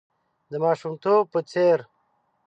د ماشومتوب په څېر .